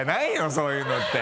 そういうのって。